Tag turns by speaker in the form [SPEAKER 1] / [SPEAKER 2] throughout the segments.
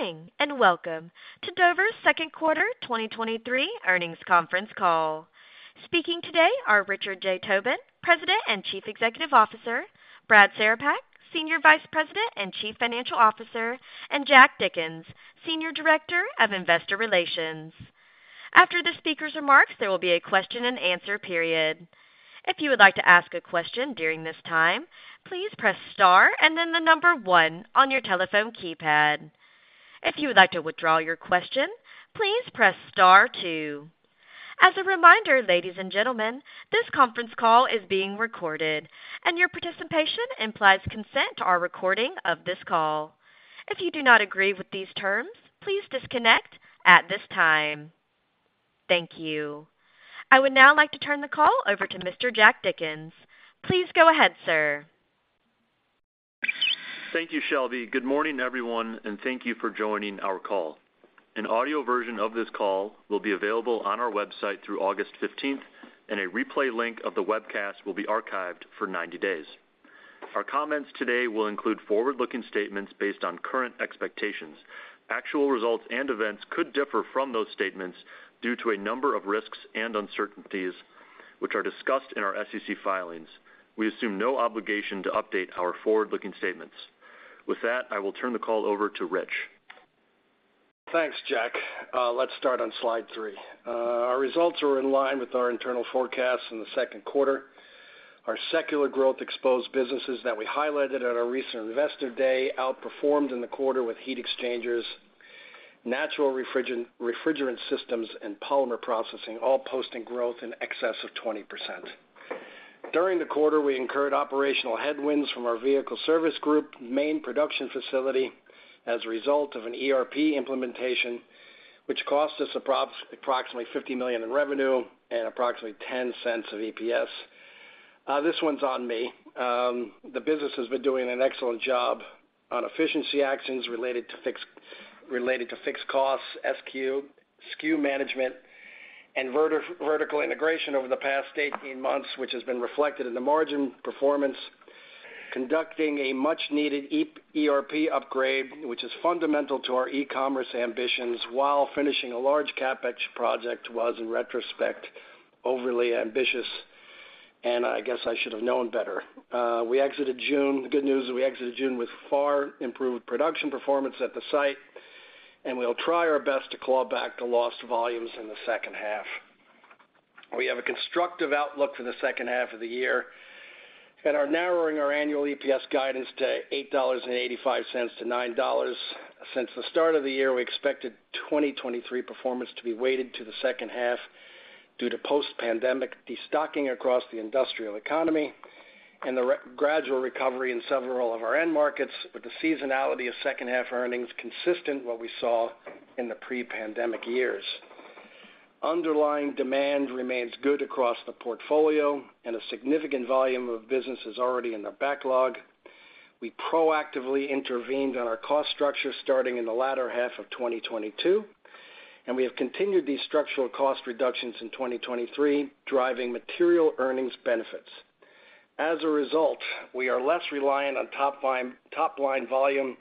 [SPEAKER 1] Good morning. Welcome to Dover's second quarter 2023 earnings conference call. Speaking today are Richard J. Tobin, President and Chief Executive Officer; Brad Cerepak, Senior Vice President and Chief Financial Officer; and Jack Dickens, Senior Director of Investor Relations. After the speaker's remarks, there will be a question-and-answer period. If you would like to ask a question during this time, please press star and then the number one on your telephone keypad. If you would like to withdraw your question, please press star two. As a reminder, ladies and gentlemen, this conference call is being recorded. Your participation implies consent to our recording of this call. If you do not agree with these terms, please disconnect at this time. Thank you. I would now like to turn the call over to Mr. Jack Dickens. Please go ahead, sir.
[SPEAKER 2] Thank you, Shelby. Good morning, everyone. Thank you for joining our call. An audio version of this call will be available on our website through August 15th. A replay link of the webcast will be archived for 90 days. Our comments today will include forward-looking statements based on current expectations. Actual results and events could differ from those statements due to a number of risks and uncertainties, which are discussed in our SEC filings. We assume no obligation to update our forward-looking statements. With that, I will turn the call over to Rich.
[SPEAKER 3] Thanks, Jack. Let's start on slide 3. Our results are in line with our internal forecasts in the second quarter. Our secular growth-exposed businesses that we highlighted at our recent Investor Day outperformed in the quarter with heat exchangers, natural refrigerant systems, and polymer processing, all posting growth in excess of 20%. During the quarter, we incurred operational headwinds from our Vehicle Service Group main production facility as a result of an ERP implementation, which cost us approximately $50 million in revenue and approximately $0.10 of EPS. This one's on me. The business has been doing an excellent job on efficiency actions related to fixed costs, SKU management, and vertical integration over the past 18 months, which has been reflected in the margin performance. Conducting a much-needed ERP upgrade, which is fundamental to our e-commerce ambitions, while finishing a large CapEx project, was, in retrospect, overly ambitious. I guess I should have known better. The good news is we exited June with far improved production performance at the site. We'll try our best to claw back the lost volumes in the second half. We have a constructive outlook for the second half of the year and are narrowing our annual EPS guidance to $8.85-$9.00. Since the start of the year, we expected 2023 performance to be weighted to the second half due to post-pandemic destocking across the industrial economy and the gradual recovery in several of our end markets, with the seasonality of second half earnings consistent what we saw in the pre-pandemic years. Underlying demand remains good across the portfolio, and a significant volume of business is already in the backlog. We proactively intervened on our cost structure starting in the latter half of 2022, and we have continued these structural cost reductions in 2023, driving material earnings benefits. As a result, we are less reliant on top line volume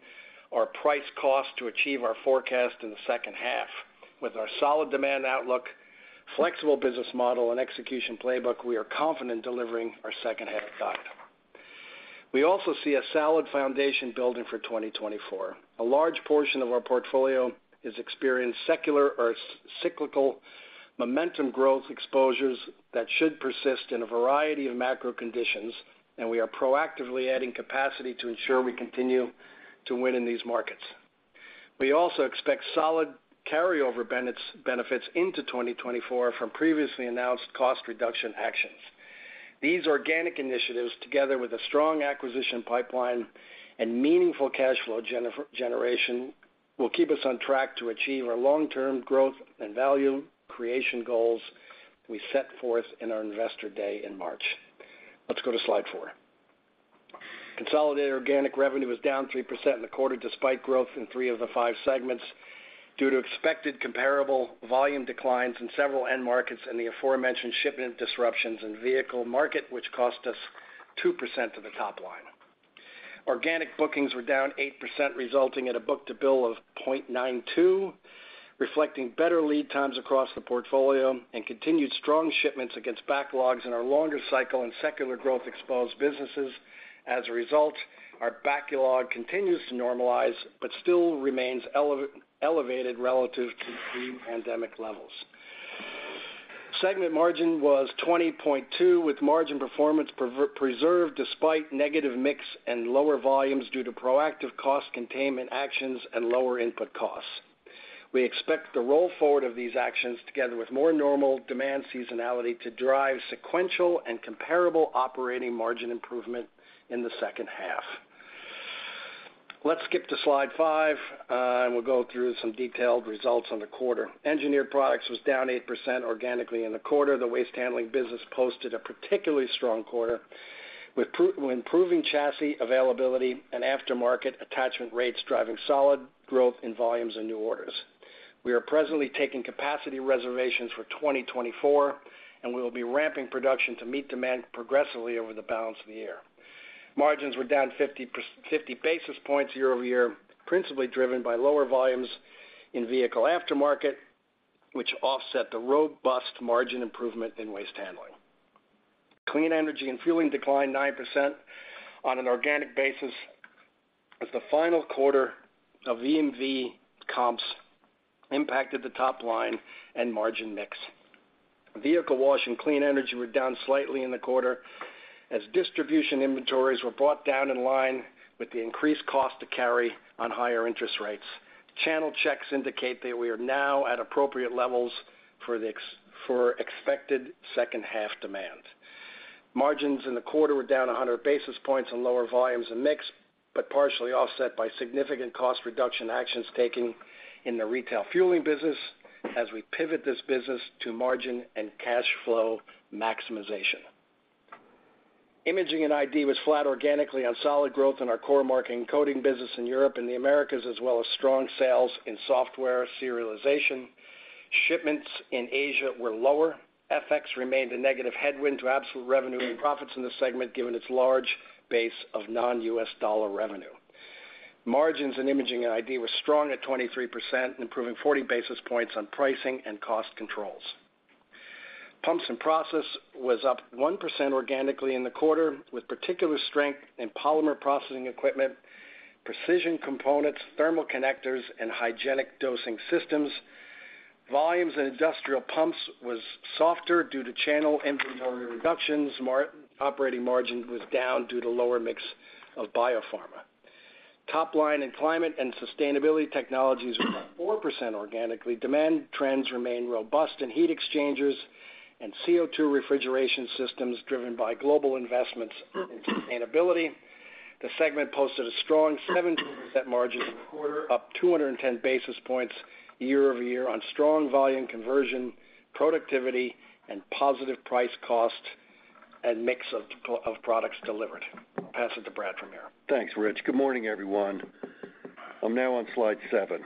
[SPEAKER 3] or price cost to achieve our forecast in the second half. With our solid demand outlook, flexible business model, and execution playbook, we are confident delivering our second half guide. We also see a solid foundation building for 2024. A large portion of our portfolio has experienced secular or cyclical momentum growth exposures that should persist in a variety of macro conditions, and we are proactively adding capacity to ensure we continue to win in these markets. We also expect solid carryover benefits into 2024 from previously announced cost reduction actions. These organic initiatives, together with a strong acquisition pipeline and meaningful cash flow generation, will keep us on track to achieve our long-term growth and value creation goals we set forth in our Investor Day in March. Let's go to slide 4. Consolidated organic revenue was down 3% in the quarter, despite growth in three of the five segments, due to expected comparable volume declines in several end markets and the aforementioned shipment disruptions in vehicle market, which cost us 2% of the top line. Organic bookings were down 8%, resulting in a book-to-bill of 0.92, reflecting better lead times across the portfolio and continued strong shipments against backlogs in our longer cycle and secular growth-exposed businesses. As a result, our backlog continues to normalize, but still remains elevated relative to pre-pandemic levels. Segment margin was 20.2%, with margin performance preserved despite negative mix and lower volumes due to proactive cost containment actions and lower input costs. We expect the roll forward of these actions, together with more normal demand seasonality, to drive sequential and comparable operating margin improvement in the second half. Let's skip to slide 5, and we'll go through some detailed results on the quarter. Engineered Products was down 8% organically in the quarter. The Waste Handling business posted a particularly strong quarter, with improving chassis availability and aftermarket attachment rates, driving solid growth in volumes and new orders. We are presently taking capacity reservations for 2024, and we will be ramping production to meet demand progressively over the balance of the year. Margins were down 50 basis points year-over-year, principally driven by lower volumes in vehicle aftermarket, which offset the robust margin improvement in waste handling. Clean Energy & Fueling declined 9% on an organic basis, as the final quarter of EMV comps impacted the top line and margin mix. Vehicle wash and clean energy were down slightly in the quarter, as distribution inventories were brought down in line with the increased cost to carry on higher interest rates. Channel checks indicate that we are now at appropriate levels for expected second half demand. Margins in the quarter were down 100 basis points on lower volumes and mix, partially offset by significant cost reduction actions taken in the retail fueling business as we pivot this business to margin and cash flow maximization. Imaging & Identification was flat organically on solid growth in our core marking coding business in Europe and the Americas, as well as strong sales in software serialization. Shipments in Asia were lower. FX remained a negative headwind to absolute revenue and profits in the segment, given its large base of non-U.S. dollar revenue. Margins in Imaging and ID were strong at 23%, improving 40 basis points on pricing and cost controls. Pumps & Process was up 1% organically in the quarter, with particular strength in polymer processing equipment, precision components, thermal connectors, and hygienic dosing systems. Volumes in industrial pumps was softer due to channel inventory reductions. Operating margin was down due to lower mix of biopharma. Top line in Climate and Sustainability Technologies were up 4% organically. Demand trends remain robust in heat exchangers and CO2 refrigeration systems, driven by global investments in sustainability. The segment posted a strong 17% margin in the quarter, up 210 basis points year-over-year on strong volume conversion, productivity, and positive price cost and mix of products delivered. Pass it to Brad from there.
[SPEAKER 4] Thanks, Rich. Good morning, everyone. I'm now on slide 7.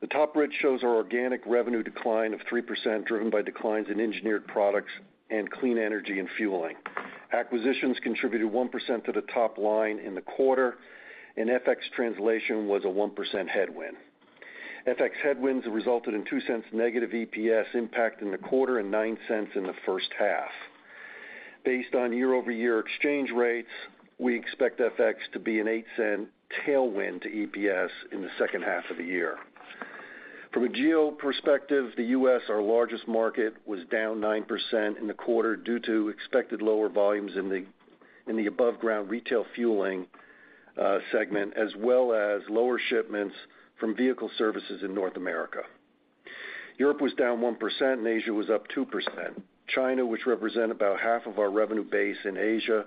[SPEAKER 4] The top bridge shows our organic revenue decline of 3%, driven by declines in Engineered Products and Clean Energy & Fueling. Acquisitions contributed 1% to the top line in the quarter. FX translation was a 1% headwind. FX headwinds resulted in $0.02 negative EPS impact in the quarter and $0.09 in the first half. Based on year-over-year exchange rates, we expect FX to be an $0.08 tailwind to EPS in the second half of the year. From a geo perspective, the U.S., our largest market, was down 9% in the quarter due to expected lower volumes in the above-ground retail fueling segment, as well as lower shipments from vehicle services in North America. Europe was down 1%. Asia was up 2%. China, which represent about half of our revenue base in Asia,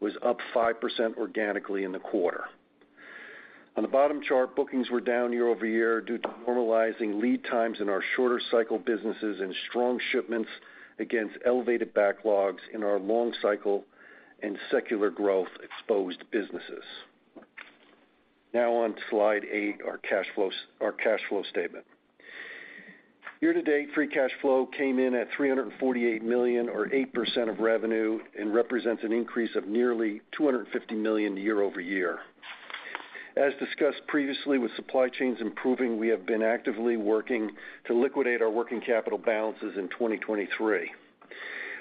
[SPEAKER 4] was up 5% organically in the quarter. On the bottom chart, bookings were down year-over-year due to normalizing lead times in our shorter cycle businesses and strong shipments against elevated backlogs in our long cycle and secular growth-exposed businesses. On to slide 8, our cash flow statement. Year-to-date, free cash flow came in at $348 million, or 8% of revenue, and represents an increase of nearly $250 million year-over-year. As discussed previously, with supply chains improving, we have been actively working to liquidate our working capital balances in 2023.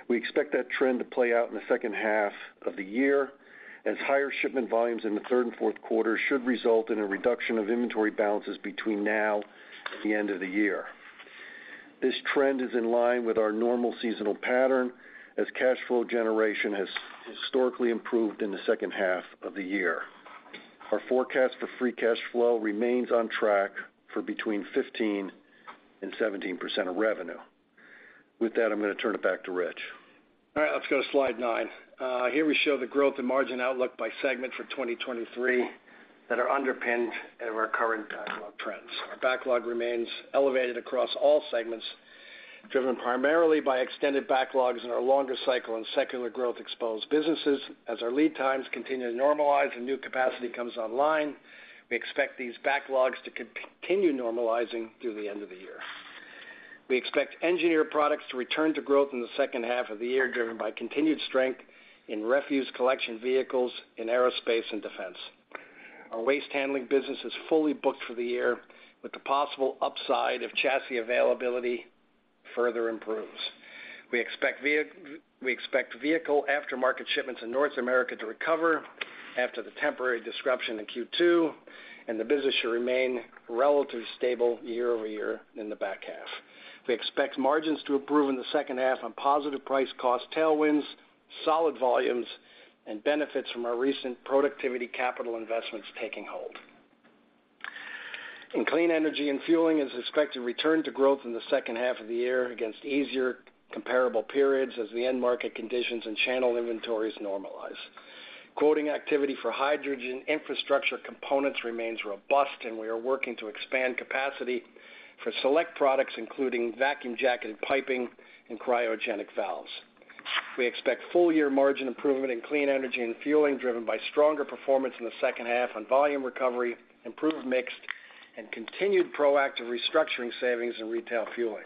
[SPEAKER 4] We expect that trend to play out in the second half of the year, as higher shipment volumes in the third and fourth quarter should result in a reduction of inventory balances between now and the end of the year. This trend is in line with our normal seasonal pattern, as cash flow generation has historically improved in the second half of the year. Our forecast for free cash flow remains on track for between 15% and 17% of revenue. With that, I'm going to turn it back to Rich.
[SPEAKER 3] All right, let's go to slide nine. Here we show the growth and margin outlook by segment for 2023 that are underpinned by our current backlog trends. Our backlog remains elevated across all segments, driven primarily by extended backlogs in our longer cycle and secular growth-exposed businesses. As our lead times continue to normalize and new capacity comes online, we expect these backlogs to continue normalizing through the end of the year. We expect Engineered Products to return to growth in the second half of the year, driven by continued strength in refuse collection vehicles in aerospace and defense. Our waste handling business is fully booked for the year, with the possible upside if chassis availability further improves. We expect vehicle aftermarket shipments in North America to recover after the temporary disruption in Q2, and the business should remain relatively stable year-over-year in the back half. We expect margins to improve in the second half on positive price cost tailwinds, solid volumes, and benefits from our recent productivity capital investments taking hold. In Clean Energy & Fueling is expected to return to growth in the second half of the year against easier comparable periods as the end market conditions and channel inventories normalize. Quoting activity for hydrogen infrastructure components remains robust, and we are working to expand capacity for select products, including vacuum jacketed piping and cryogenic valves. We expect full year margin improvement in Clean Energy & Fueling, driven by stronger performance in the second half on volume recovery, improved mix, and continued proactive restructuring savings in retail fueling.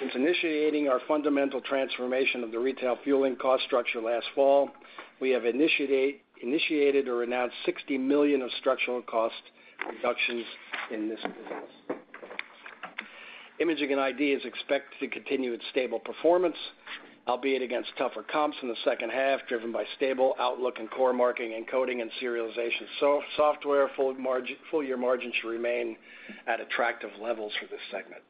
[SPEAKER 3] Since initiating our fundamental transformation of the retail fueling cost structure last fall, we have initiated or announced $60 million of structural cost reductions in this business. Imaging & Identification is expected to continue its stable performance, albeit against tougher comps in the second half, driven by stable outlook and core marking and coding and serialization. Full year margins should remain at attractive levels for this segment.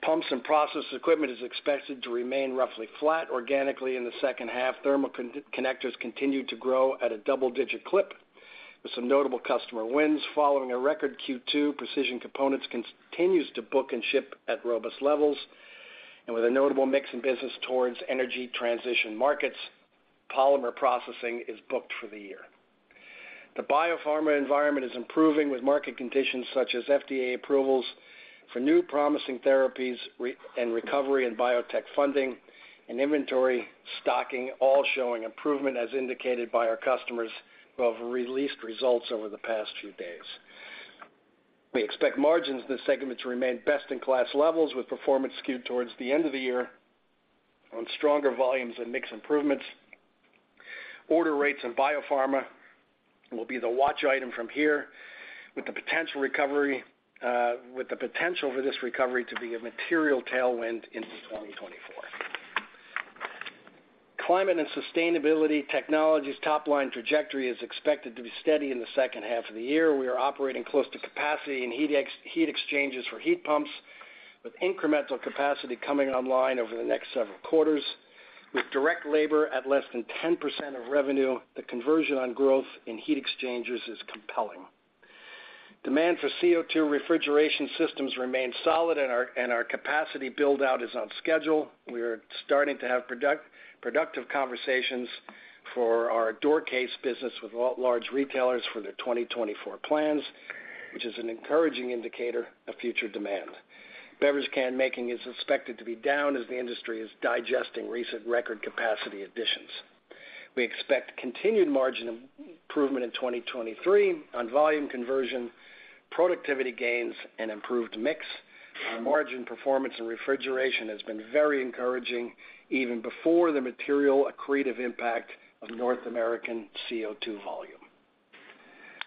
[SPEAKER 3] Pumps & Process Solutions is expected to remain roughly flat organically in the second half. Connectors continued to grow at a double-digit clip, with some notable customer wins. Following a record Q2, precision components continues to book and ship at robust levels, with a notable mix in business towards energy transition markets, polymer processing is booked for the year. The biopharma environment is improving, with market conditions such as FDA approvals for new promising therapies, recovery in biotech funding and inventory stocking, all showing improvement, as indicated by our customers who have released results over the past few days. We expect margins in this segment to remain best-in-class levels, with performance skewed towards the end of the year on stronger volumes and mix improvements. Order rates in biopharma will be the watch item from here, with the potential recovery, with the potential for this recovery to be a material tailwind into 2024. Climate & Sustainability Technologies top-line trajectory is expected to be steady in the second half of the year. We are operating close to capacity in heat exchangers for heat pumps, with incremental capacity coming online over the next several quarters. With direct labor at less than 10% of revenue, the conversion on growth in heat exchangers is compelling. Demand for CO2 refrigeration systems remains solid, and our capacity build-out is on schedule. We are starting to have productive conversations for our door case business with large retailers for their 2024 plans, which is an encouraging indicator of future demand. Beverage can making is expected to be down as the industry is digesting recent record capacity additions. We expect continued margin improvement in 2023 on volume conversion, productivity gains, and improved mix. Our margin performance and refrigeration has been very encouraging, even before the material accretive impact of North American CO2 volume.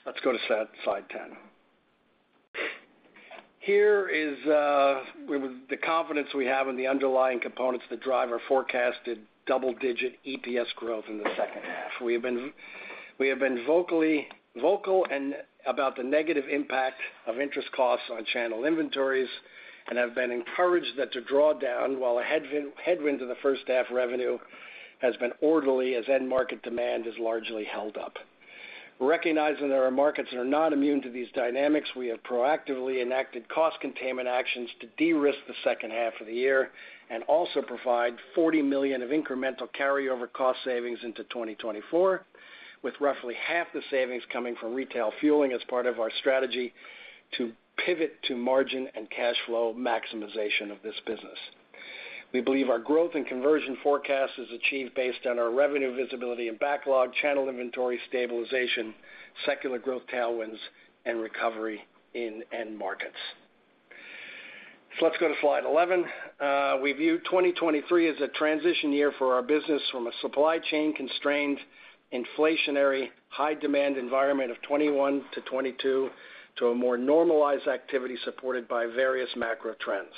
[SPEAKER 3] Let's go to slide 10. Here is, we, the confidence we have in the underlying components that drive our forecasted double-digit EPS growth in the second half. We have been vocal and about the negative impact of interest costs on channel inventories and have been encouraged that to draw down, while a headwind to the first half revenue, has been orderly as end market demand has largely held up. Recognizing that our markets are not immune to these dynamics, we have proactively enacted cost containment actions to de-risk the second half of the year and also provide $40 million of incremental carryover cost savings into 2024, with roughly half the savings coming from retail fueling as part of our strategy to pivot to margin and cash flow maximization of this business. We believe our growth and conversion forecast is achieved based on our revenue visibility and backlog, channel inventory stabilization, secular growth tailwinds, and recovery in end markets. Let's go to slide 11. We view 2023 as a transition year for our business from a supply chain constrained, inflationary, high-demand environment of 2021 to 2022, to a more normalized activity supported by various macro trends.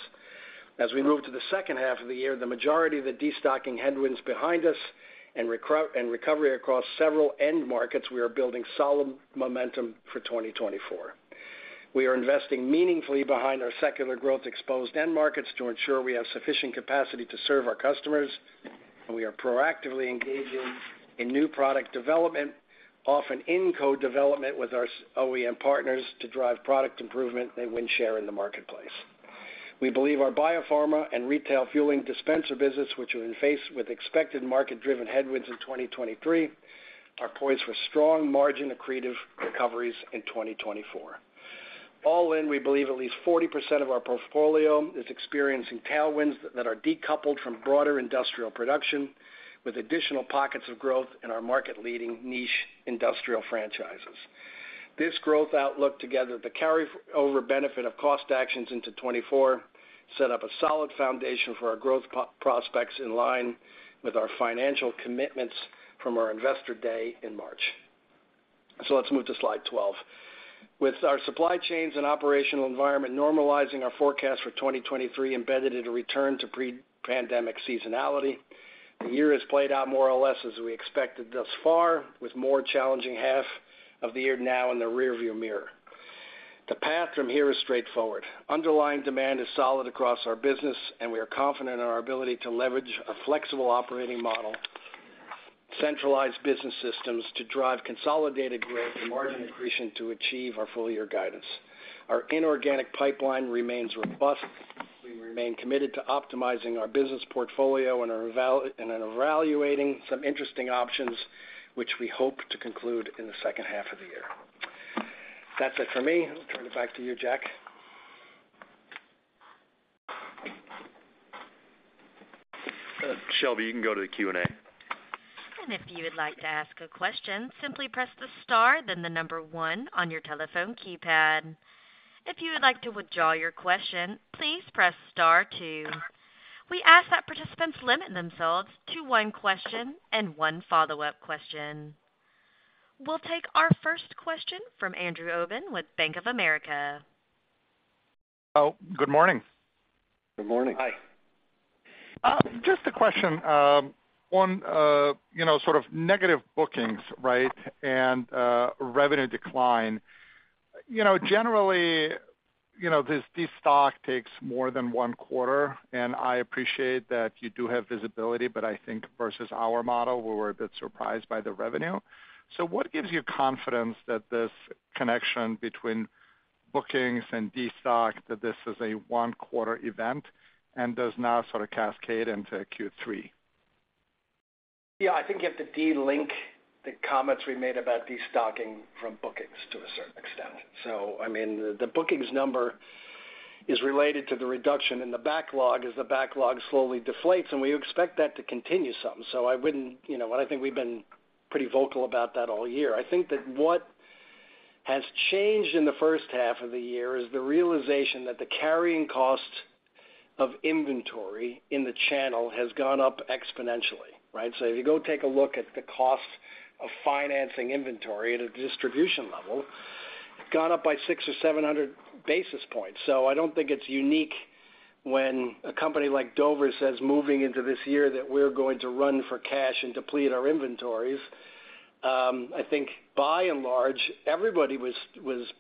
[SPEAKER 3] As we move to the second half of the year, the majority of the destocking headwind is behind us, and recovery across several end markets, we are building solid momentum for 2024. We are investing meaningfully behind our secular growth exposed end markets to ensure we have sufficient capacity to serve our customers, and we are proactively engaging in new product development, often in co-development with our OEM partners, to drive product improvement and win share in the marketplace. We believe our biopharma and retail fueling dispenser business, which we are faced with expected market-driven headwinds in 2023, are poised for strong margin accretive recoveries in 2024. All in, we believe at least 40% of our portfolio is experiencing tailwinds that are decoupled from broader industrial production, with additional pockets of growth in our market-leading niche industrial franchises. This growth outlook, together with the carryover benefit of cost actions into 2024, set up a solid foundation for our growth prospects in line with our financial commitments from our Investor Day in March. Let's move to slide 12. With our supply chains and operational environment normalizing our forecast for 2023 embedded in a return to pre-pandemic seasonality, the year has played out more or less as we expected thus far, with more challenging half of the year now in the rearview mirror. The path from here is straightforward. Underlying demand is solid across our business, and we are confident in our ability to leverage a flexible operating model, centralized business systems, to drive consolidated growth and margin accretion to achieve our full year guidance. Our inorganic pipeline remains robust. We remain committed to optimizing our business portfolio and are evaluating some interesting options, which we hope to conclude in the second half of the year. That's it for me. I'll turn it back to you, Jack.
[SPEAKER 2] Shelby, you can go to the Q&A.
[SPEAKER 1] If you would like to ask a question, simply press the star, then one on your telephone keypad. If you would like to withdraw your question, please press star two. We ask that participants limit themselves to one question and one follow-up question. We'll take our first question from Andrew Obin with Bank of America.
[SPEAKER 5] Oh, good morning.
[SPEAKER 3] Good morning.
[SPEAKER 4] Hi.
[SPEAKER 5] Just a question on, you know, sort of negative bookings, right? Revenue decline. You know, generally, you know, this destock takes more than 1 quarter, and I appreciate that you do have visibility, but I think versus our model, we were a bit surprised by the revenue. What gives you confidence that this connection between bookings and destock, that this is a 1-quarter event and does not sort of cascade into Q3?
[SPEAKER 3] Yeah, I think you have to delink the comments we made about destocking from bookings to a certain extent. I mean, the bookings number is related to the reduction in the backlog as the backlog slowly deflates, and we expect that to continue some. I wouldn't, you know. I think we've been pretty vocal about that all year. I think that what has changed in the first half of the year, is the realization that the carrying cost of inventory in the channel has gone up exponentially, right? If you go take a look at the cost of financing inventory at a distribution level, gone up by 600 or 700 basis points. I don't think it's unique when a company like Dover says, moving into this year, that we're going to run for cash and deplete our inventories. I think by and large, everybody was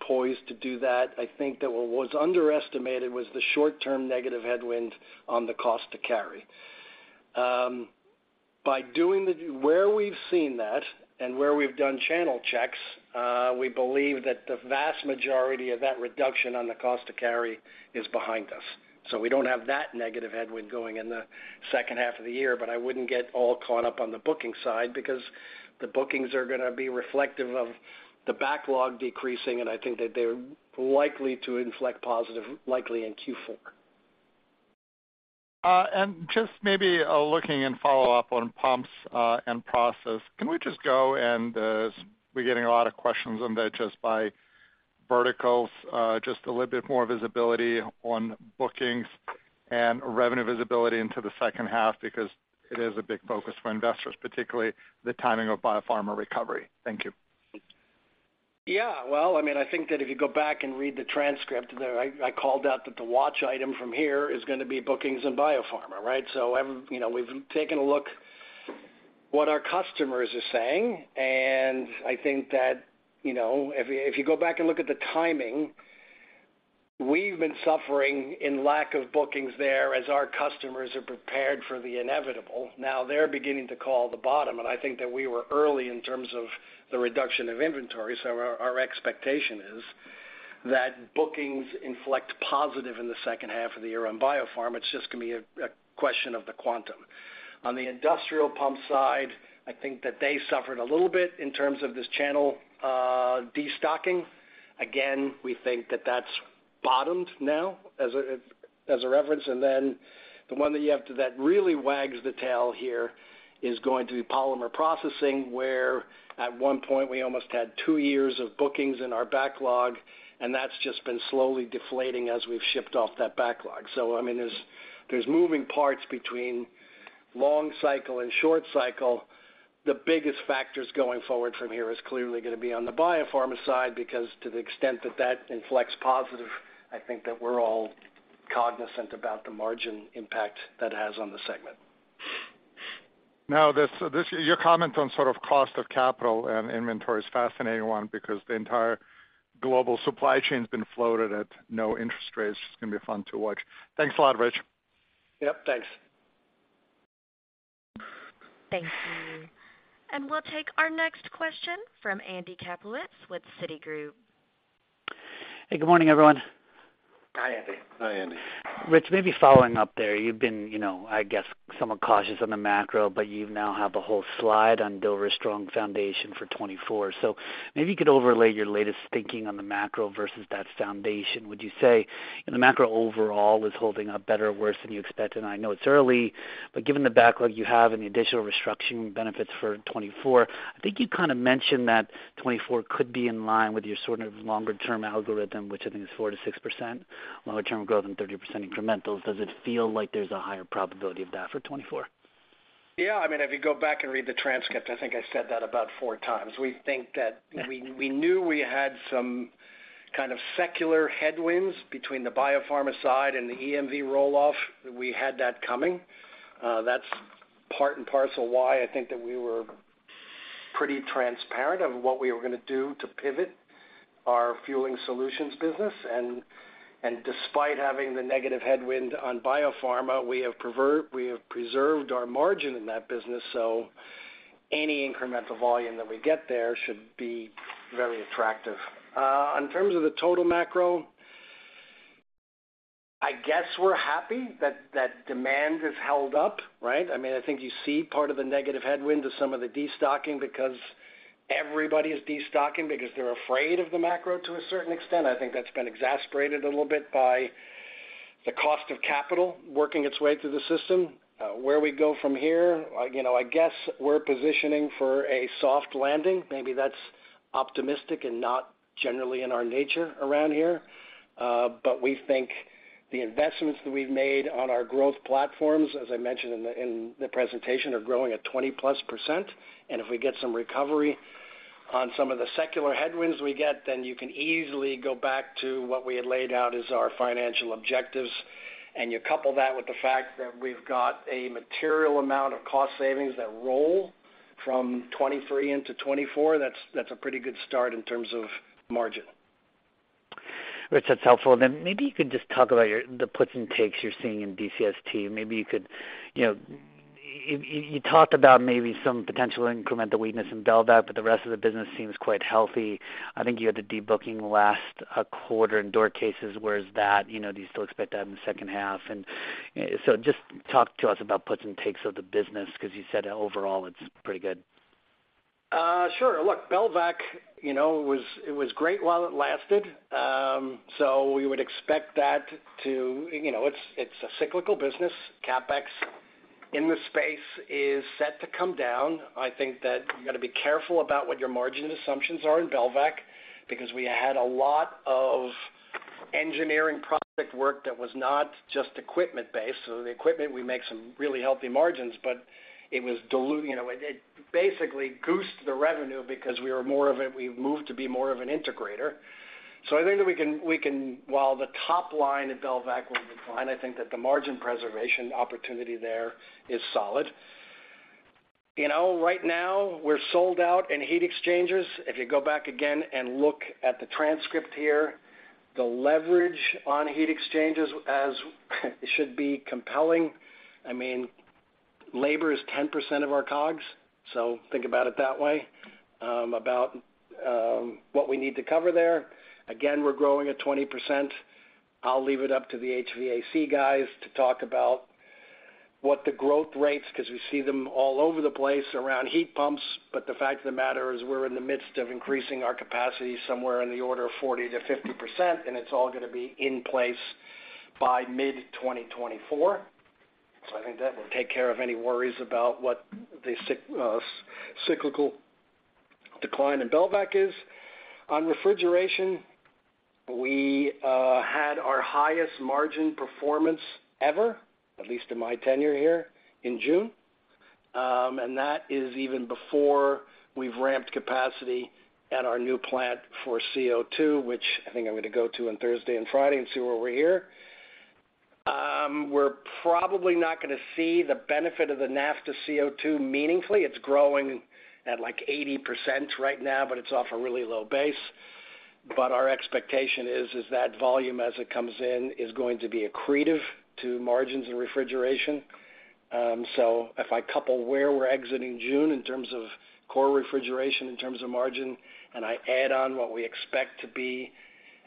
[SPEAKER 3] poised to do that. I think that what was underestimated was the short-term negative headwind on the cost to carry. Where we've seen that and where we've done channel checks, we believe that the vast majority of that reduction on the cost to carry is behind us. We don't have that negative headwind going in the second half of the year. I wouldn't get all caught up on the booking side because the bookings are going to be reflective of the backlog decreasing, and I think that they're likely to inflect positive, likely in Q4.
[SPEAKER 5] Just maybe, looking and follow up on Pumps & Process. Can we just go and, we're getting a lot of questions on that just by verticals, just a little bit more visibility on bookings and revenue visibility into the second half, because it is a big focus for investors, particularly the timing of biopharma recovery? Thank you.
[SPEAKER 3] Well, I mean, I think that if you go back and read the transcript, I called out that the watch item from here is going to be bookings and biopharma, right? You know, we've taken a look what our customers are saying, and I think that, you know, if you go back and look at the timing, we've been suffering in lack of bookings there as our customers are prepared for the inevitable. Now they're beginning to call the bottom, and I think that we were early in terms of the reduction of inventory. Our expectation is that bookings inflect positive in the second half of the year on biopharm. It's just going to be a question of the quantum. On the industrial pump side, I think that they suffered a little bit in terms of this channel destocking. We think that that's bottomed now as a reference. The one that really wags the tail here is going to be polymer processing, where at one point we almost had two years of bookings in our backlog, and that's just been slowly deflating as we've shipped off that backlog. I mean, there's moving parts between long cycle and short cycle. The biggest factors going forward from here is clearly going to be on the biopharma side, because to the extent that that inflects positive, I think that we're all cognizant about the margin impact that has on the segment.
[SPEAKER 5] Now, this, your comment on sort of cost of capital and inventory is a fascinating one because the entire global supply chain has been floated at no interest rates. It's going to be fun to watch. Thanks a lot, Rich.
[SPEAKER 3] Yep, thanks.
[SPEAKER 1] Thank you. We'll take our next question from Andy Kaplowitz with Citigroup.
[SPEAKER 6] Hey, good morning, everyone.
[SPEAKER 3] Hi, Andy.
[SPEAKER 4] Hi, Andy.
[SPEAKER 6] Rich, maybe following up there, you've been, you know, I guess, somewhat cautious on the macro, but you now have a whole slide on Dover Strong Foundation for 2024. Maybe you could overlay your latest thinking on the macro versus that foundation. Would you say the macro overall is holding up better or worse than you expected? I know it's early, but given the backlog you have and the additional restructuring benefits for 2024, I think you kind of mentioned that 2024 could be in line with your sort of longer-term algorithm, which I think is 4%-6% longer-term growth and 30% incremental. Does it feel like there's a higher probability of that for 2024?
[SPEAKER 3] Yeah, I mean, if you go back and read the transcript, I think I said that about four times. We knew we had some kind of secular headwinds between the biopharma side and the EMV roll-off. We had that coming. That's part and parcel why I think that we were pretty transparent of what we were going to do to pivot our fueling solutions business. Despite having the negative headwind on biopharma, we have preserved our margin in that business, so any incremental volume that we get there should be very attractive. In terms of the total macro, I guess we're happy that demand has held up, right? I mean, I think you see part of the negative headwind to some of the destocking because everybody is destocking because they're afraid of the macro to a certain extent. I think that's been exasperated a little bit by the cost of capital working its way through the system. Where we go from here, you know, I guess we're positioning for a soft landing. Maybe that's optimistic and not generally in our nature around here. We think the investments that we've made on our growth platforms, as I mentioned in the, in the presentation, are growing at 20%+. If we get some recovery on some of the secular headwinds we get, you can easily go back to what we had laid out as our financial objectives. You couple that with the fact that we've got a material amount of cost savings that roll from 2023 into 2024, that's a pretty good start in terms of margin.
[SPEAKER 6] Rich, that's helpful. Maybe you could just talk about the puts and takes you're seeing in DCST. Maybe you could, you know, you talked about maybe some potential incremental weakness in Belvac, but the rest of the business seems quite healthy. I think you had the debooking last quarter in door cases. Where is that? You know, do you still expect that in the second half? Just talk to us about puts and takes of the business, 'cause you said overall it's pretty good?
[SPEAKER 3] Sure. Look, Belvac, you know, it was, it was great while it lasted. We would expect that to. You know, it's a cyclical business. CapEx in the space is set to come down. I think that you gotta be careful about what your margin assumptions are in Belvac, because we had a lot of engineering project work that was not just equipment-based. The equipment, we make some really healthy margins, but it was diluting. You know, it basically goosed the revenue because we moved to be more of an integrator. I think that we can, while the top line at Belvac will decline, I think that the margin preservation opportunity there is solid. You know, right now, we're sold out in heat exchangers. If you go back again and look at the transcript here, the leverage on heat exchangers as should be compelling. I mean, labor is 10% of our COGS, so think about it that way, about what we need to cover there. Again, we're growing at 20%. I'll leave it up to the HVAC guys to talk about what the growth rates, 'cause we see them all over the place around heat pumps. The fact of the matter is, we're in the midst of increasing our capacity somewhere in the order of 40%-50%, and it's all gonna be in place by mid-2024. I think that will take care of any worries about what the cyclical decline in Belvac is. On refrigeration, we had our highest margin performance ever, at least in my tenure here, in June. That is even before we've ramped capacity at our new plant for CO2, which I think I'm gonna go to on Thursday and Friday and see where we're here. We're probably not gonna see the benefit of the NAFTA CO2 meaningfully. It's growing at, like, 80% right now, but it's off a really low base. Our expectation is that volume, as it comes in, is going to be accretive to margins in refrigeration. If I couple where we're exiting June in terms of core refrigeration, in terms of margin, and I add on what we expect to be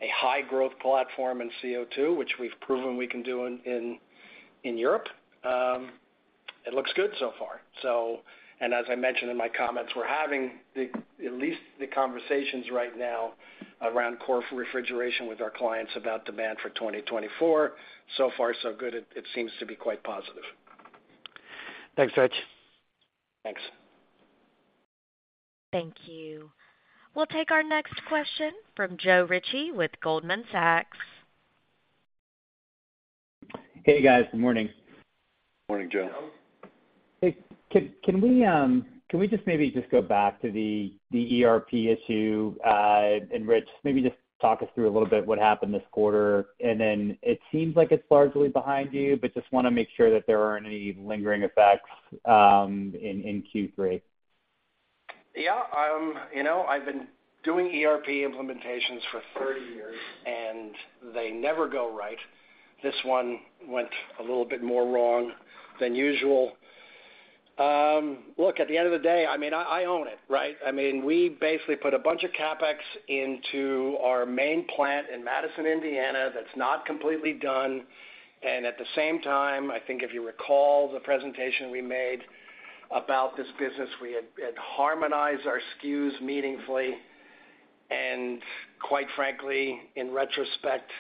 [SPEAKER 3] a high growth platform in CO2, which we've proven we can do in Europe, it looks good so far. As I mentioned in my comments, we're having at least the conversations right now around core refrigeration with our clients about demand for 2024. So far so good. It seems to be quite positive.
[SPEAKER 6] Thanks, Rich.
[SPEAKER 3] Thanks.
[SPEAKER 1] Thank you. We'll take our next question from Joe Ritchie with Goldman Sachs.
[SPEAKER 7] Hey, guys. Good morning.
[SPEAKER 4] Morning, Joe.
[SPEAKER 7] Hey, can we, can we just maybe just go back to the ERP issue, Rich, maybe just talk us through a little bit what happened this quarter? It seems like it's largely behind you, but just wanna make sure that there aren't any lingering effects, in Q3.
[SPEAKER 3] Yeah, you know, I've been doing ERP implementations for 30 years, and they never go right. This one went a little bit more wrong than usual. Look, at the end of the day, I mean, I own it, right? I mean, we basically put a bunch of CapEx into our main plant in Madison, Indiana, that's not completely done. At the same time, I think if you recall the presentation we made about this business, we had harmonized our SKUs meaningfully. Quite frankly, in retrospect,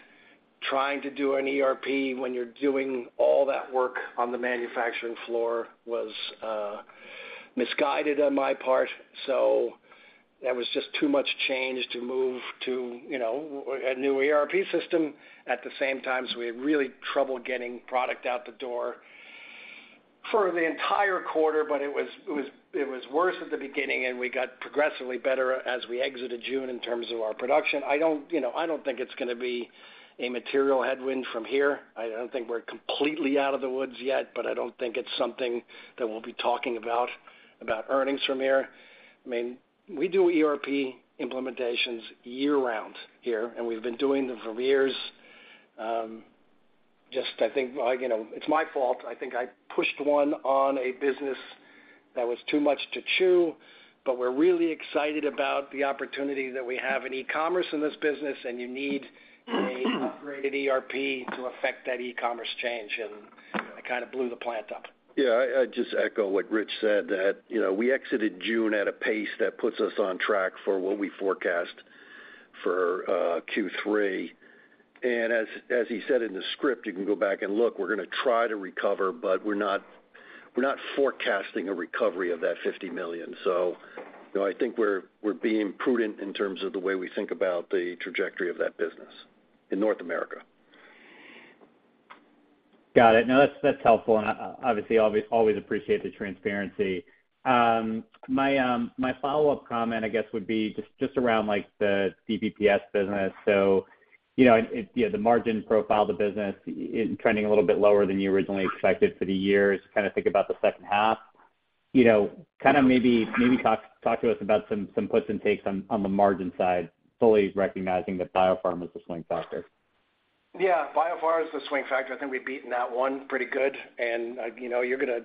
[SPEAKER 3] trying to do an ERP when you're doing all that work on the manufacturing floor was misguided on my part. There was just too much change to move to, you know, a new ERP system at the same time. We had really trouble getting product out the door for the entire quarter, but it was worse at the beginning, and we got progressively better as we exited June in terms of our production. I don't, you know, I don't think it's gonna be a material headwind from here. I don't think we're completely out of the woods yet, but I don't think it's something that we'll be talking about earnings from here. I mean, we do ERP implementations year-round here, and we've been doing them for years. Just I think, like, you know, it's my fault. I think I pushed one on a business that was too much to chew, but we're really excited about the opportunity that we have in e-commerce in this business, and you need an upgraded ERP to affect that e-commerce change, and I kind of blew the plant up.
[SPEAKER 4] Yeah, I just echo what Rich said, that, you know, we exited June at a pace that puts us on track for what we forecast for Q3. As he said in the script, you can go back and look, we're gonna try to recover, but we're not forecasting a recovery of that $50 million. You know, I think we're being prudent in terms of the way we think about the trajectory of that business in North America.
[SPEAKER 7] Got it. No, that's helpful, and obviously always appreciate the transparency. My follow-up comment, I guess, would be just around like the DPPS business. You know, it, yeah, the margin profile of the business is trending a little bit lower than you originally expected for the year. As you kind of think about the second half, you know, kind of maybe talk to us about some puts and takes on the margin side, fully recognizing that biopharma is the swing factor.
[SPEAKER 3] Yeah, biopharma is the swing factor. I think we've beaten that one pretty good. You know, you're gonna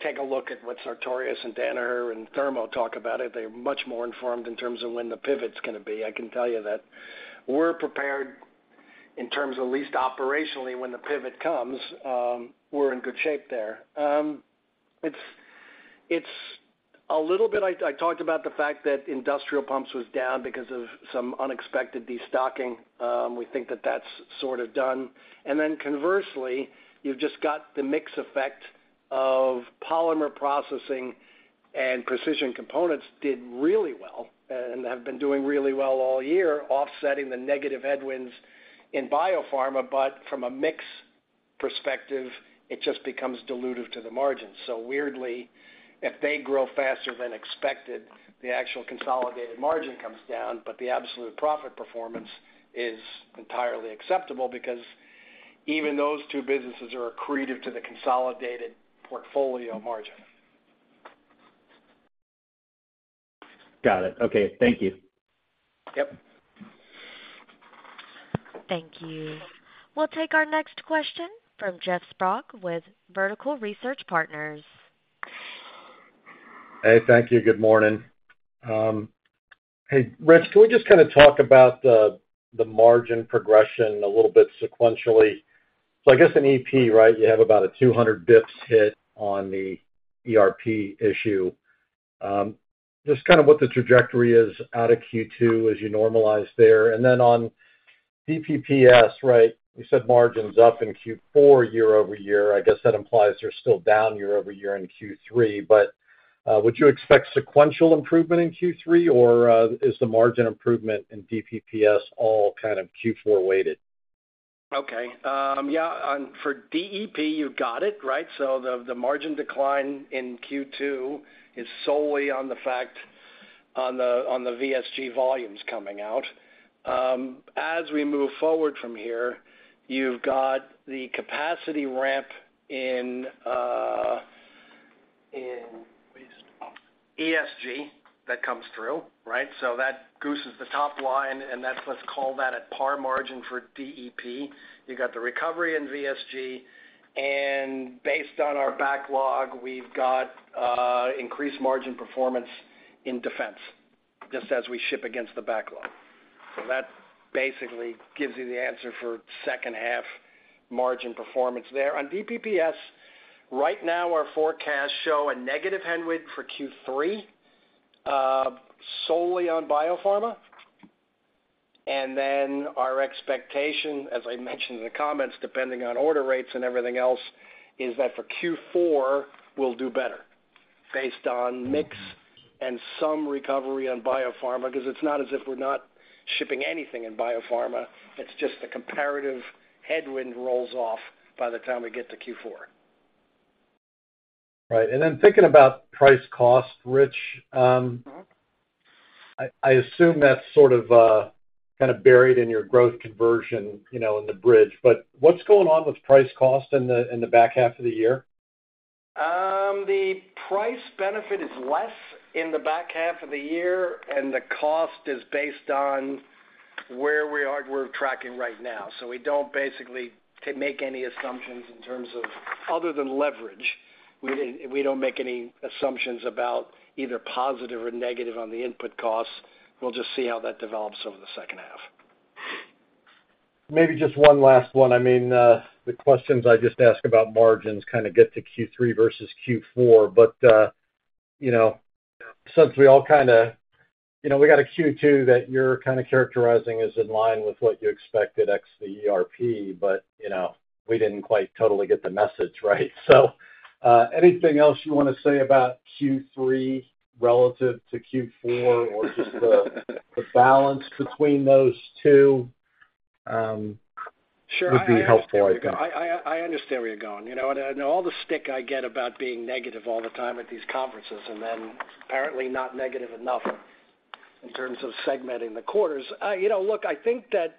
[SPEAKER 3] take a look at what Sartorius and Danaher and Thermo talk about it. They're much more informed in terms of when the pivot's gonna be. I can tell you that we're prepared in terms of, at least operationally, when the pivot comes, we're in good shape there. It's a little bit. I talked about the fact that industrial pumps was down because of some unexpected destocking. We think that that's sort of done. Conversely, you've just got the mix effect of polymer processing, and precision components did really well and have been doing really well all year, offsetting the negative headwinds in biopharma. From a mix perspective, it just becomes dilutive to the margin. Weirdly, if they grow faster than expected, the actual consolidated margin comes down, but the absolute profit performance is entirely acceptable because even those two businesses are accretive to the consolidated portfolio margin.
[SPEAKER 7] Got it. Okay. Thank you.
[SPEAKER 3] Yep.
[SPEAKER 1] Thank you. We'll take our next question from Jeff Sprague with Vertical Research Partners.
[SPEAKER 8] Hey, thank you. Good morning. Hey, Rich, can we just kind of talk about the margin progression a little bit sequentially? I guess in EP, right, you have about a 200 basis points hit on the ERP issue. Just kind of what the trajectory is out of Q2 as you normalize there. Then on DPPS, right, you said margins up in Q4 year-over-year. I guess that implies they're still down year-over-year in Q3. Would you expect sequential improvement in Q3, or is the margin improvement in DPPS all kind of Q4 weighted?
[SPEAKER 3] Okay. Yeah, for DEP, you got it, right? The margin decline in Q2 is solely on the fact on the VSG volumes coming out. As we move forward from here, you've got the capacity ramp in ESG that comes through, right? That gooses the top line, let's call that at par margin for DEP. You've got the recovery in VSG, and based on our backlog, we've got increased margin performance in defense, just as we ship against the backlog. That basically gives you the answer for second half margin performance there. On DPPS, right now, our forecasts show a negative headwind for Q3, solely on biopharma. Our expectation, as I mentioned in the comments, depending on order rates and everything else, is that for Q4, we'll do better based on mix and some recovery on biopharma, 'cause it's not as if we're not shipping anything in biopharma, it's just the comparative headwind rolls off by the time we get to Q4.
[SPEAKER 8] Right. Thinking about price cost, Rich?
[SPEAKER 3] Mm-hmm.
[SPEAKER 8] I assume that's sort of, kind of buried in your growth conversion, you know, in the bridge. What's going on with price cost in the, in the back half of the year?
[SPEAKER 3] The price benefit is less in the back half of the year, the cost is based on where we are, we're tracking right now. We don't basically make any assumptions in terms of... Other than leverage, we don't make any assumptions about either positive or negative on the input costs. We'll just see how that develops over the second half.
[SPEAKER 8] Maybe just one last one. I mean, the questions I just asked about margins kind of get to Q3 versus Q4. You know, we got a Q2 that you're kind of characterizing is in line with what you expected ex the ERP, but, you know, we didn't quite totally get the message, right? Anything else you want to say about Q3 relative to Q4 or just the balance between those two?
[SPEAKER 3] Sure.
[SPEAKER 8] Would be helpful, I think.
[SPEAKER 3] I understand where you're going, you know, and all the stick I get about being negative all the time at these conferences, and then apparently not negative enough in terms of segmenting the quarters. You know, look, I think that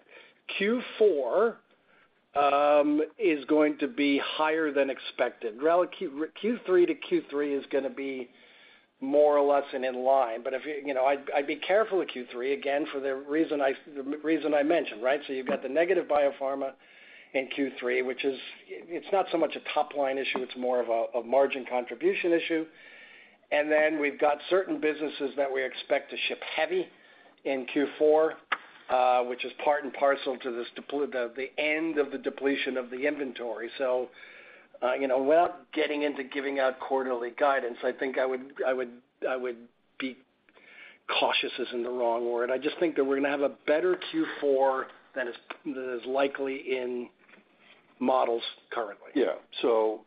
[SPEAKER 3] Q4 is going to be higher than expected. Q3 to Q3 is gonna be more or less an in line. If, you know, I'd be careful with Q3, again, for the reason I mentioned, right? You've got the negative biopharma in Q3, which is, it's not so much a top-line issue, it's more of a margin contribution issue. We've got certain businesses that we expect to ship heavy in Q4, which is part and parcel to this the end of the depletion of the inventory. you know, without getting into giving out quarterly guidance, I think cautious isn't the wrong word. I just think that we're gonna have a better Q4 than is, than is likely in models currently.
[SPEAKER 4] Yeah.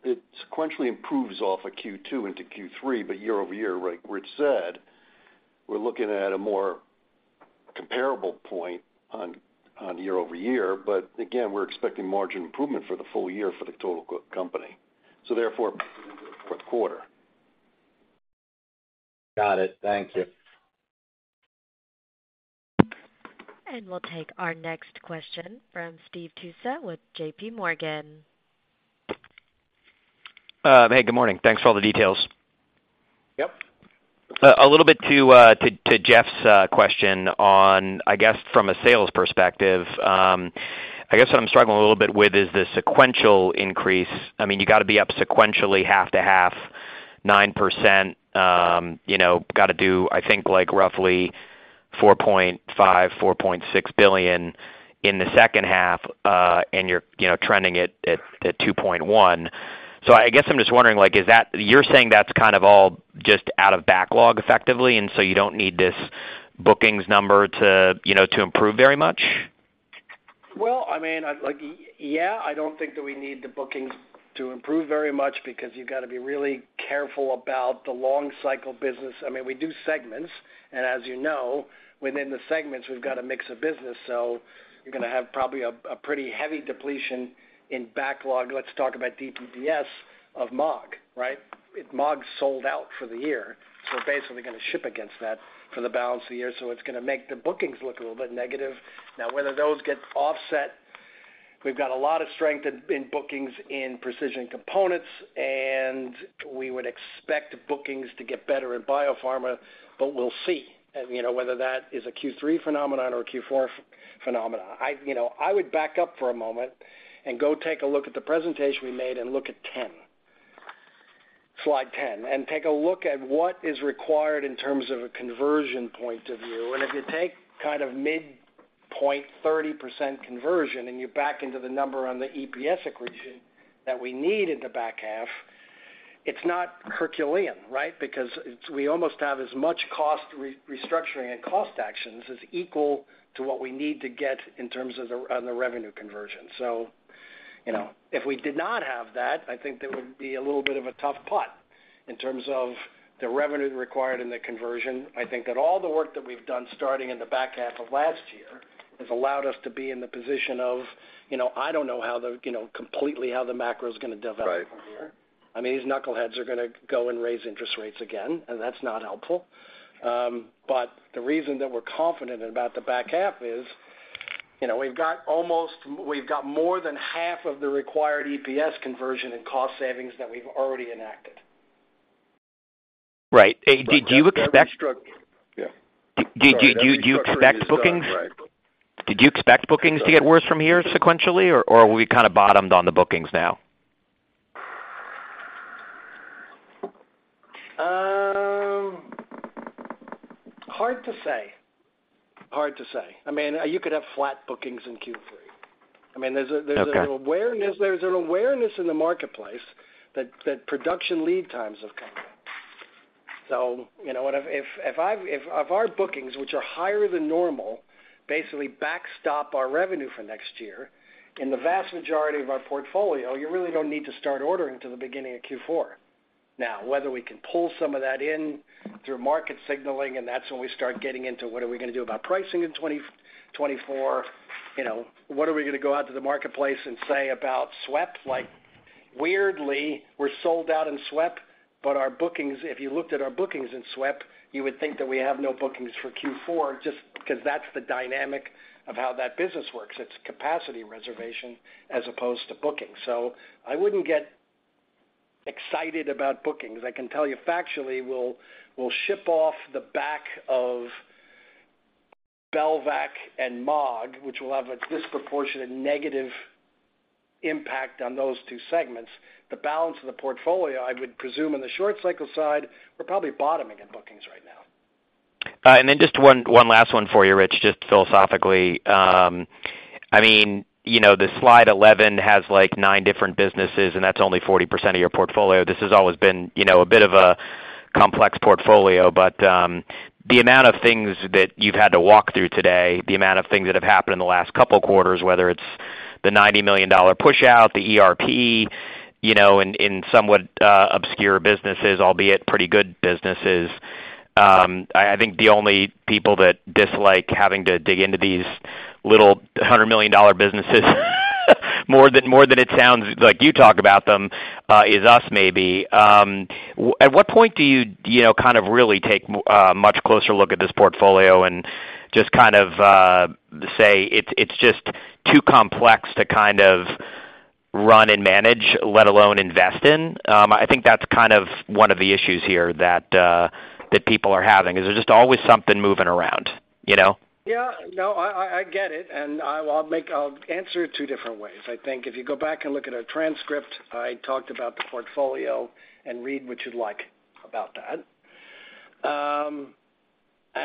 [SPEAKER 4] It sequentially improves off of Q2 into Q3, year-over-year, like Rich said, we're looking at a more comparable point on year-over-year. Again, we're expecting margin improvement for the full year for the total company, so therefore, fourth quarter.
[SPEAKER 8] Got it. Thank you.
[SPEAKER 1] We'll take our next question from Steve Tusa with JPMorgan.
[SPEAKER 9] Hey, good morning. Thanks for all the details.
[SPEAKER 4] Yep.
[SPEAKER 9] A little bit to Jeff's question on, I guess, from a sales perspective, I guess what I'm struggling a little bit with is the sequential increase. I mean, you got to be up sequentially half to half, 9%, you know, got to do, I think, like, roughly $4.5 billion-$4.6 billion in the second half, and you're, you know, trending it at $2.1. I guess I'm just wondering, like, you're saying that's kind of all just out of backlog effectively, and so you don't need this bookings number to, you know, to improve very much?
[SPEAKER 3] Well, I mean, like, yeah, I don't think that we need the bookings to improve very much because you've got to be really careful about the long cycle business. I mean, we do segments, and as you know, within the segments, we've got a mix of business. You're gonna have probably a pretty heavy depletion in backlog. Let's talk about bps of Maag, right? If Maag's sold out for the year, we're basically gonna ship against that for the balance of the year, so it's gonna make the bookings look a little bit negative. Whether those get offset, we've got a lot of strength in bookings in precision components, and we would expect bookings to get better in biopharma, but we'll see, you know, whether that is a Q3 phenomenon or a Q4 phenomenon. You know, I would back up for a moment and go take a look at the presentation we made and look at 10, slide 10, and take a look at what is required in terms of a conversion point of view. If you take kind of midpoint 30% conversion, and you back into the number on the EPS equation that we need in the back half, it's not Herculean, right? We almost have as much cost restructuring and cost actions as equal to what we need to get in terms of on the revenue conversion. You know, if we did not have that, I think there would be a little bit of a tough putt in terms of the revenue required in the conversion. I think that all the work that we've done starting in the back half of last year, has allowed us to be in the position of, you know, I don't know how the, you know, completely how the macro is gonna develop from here.
[SPEAKER 9] Right.
[SPEAKER 3] I mean, these knuckleheads are gonna go and raise interest rates again. That's not helpful. The reason that we're confident about the back half is, you know, we've got more than half of the required EPS conversion and cost savings that we've already enacted.
[SPEAKER 9] Right. Do you?
[SPEAKER 4] Yeah.
[SPEAKER 9] Do you expect bookings?
[SPEAKER 4] Right.
[SPEAKER 9] Did you expect bookings to get worse from here sequentially, or are we kind of bottomed on the bookings now?
[SPEAKER 3] Hard to say. Hard to say. I mean, you could have flat bookings in Q3. I mean, there's.
[SPEAKER 9] Okay
[SPEAKER 3] -an awareness, there's an awareness in the marketplace that production lead times have come in. You know, what, if our bookings, which are higher than normal, basically backstop our revenue for next year, in the vast majority of our portfolio, you really don't need to start ordering till the beginning of Q4. Now, whether we can pull some of that in through market signaling, and that's when we start getting into what are we gonna do about pricing in 2024, you know, what are we gonna go out to the marketplace and say about SWEP? Like, weirdly, we're sold out in SWEP, but our bookings, if you looked at our bookings in SWEP, you would think that we have no bookings for Q4, just because that's the dynamic of how that business works. It's capacity reservation as opposed to bookings. I wouldn't get excited about bookings. I can tell you factually, we'll ship off the back of Belvac and Maag, which will have a disproportionate negative impact on those two segments. The balance of the portfolio, I would presume in the short cycle side, we're probably bottoming in bookings right now.
[SPEAKER 9] Then just one last one for you, Rich, just philosophically. I mean, you know, the slide 11 has, like, 9 different businesses, and that's only 40% of your portfolio. This has always been, you know, a bit of a complex portfolio, but the amount of things that you've had to walk through today, the amount of things that have happened in the last couple of quarters, whether it's the $90 million push out, the ERP, you know, in somewhat obscure businesses, albeit pretty good businesses, I think the only people that dislike having to dig into these little $100 million businesses, more than it sounds like you talk about them, is us, maybe. At what point do you, do you know, kind of really take, a much closer look at this portfolio and just kind of, say it's just too complex to kind of run and manage, let alone invest in? I think that's kind of one of the issues here that people are having, is there's just always something moving around, you know?
[SPEAKER 3] No, I get it, and I'll answer it two different ways. I think if you go back and look at our transcript, I talked about the portfolio and read what you'd like about that.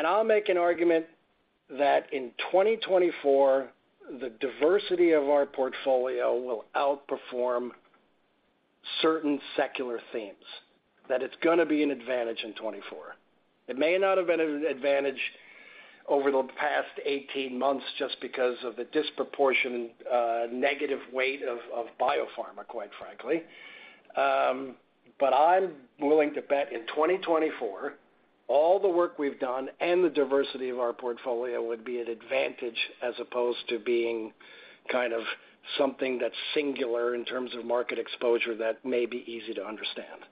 [SPEAKER 3] I'll make an argument that in 2024, the diversity of our portfolio will outperform certain secular themes, that it's going to be an advantage in 2024. It may not have been an advantage over the past 18 months just because of the disproportion negative weight of biopharma, quite frankly. I'm willing to bet in 2024, all the work we've done and the diversity of our portfolio would be an advantage as opposed to being kind of something that's singular in terms of market exposure that may be easy to understand.